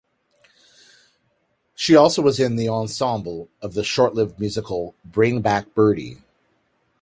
She also was in the ensemble of the short-lived musical Bring Back Birdie.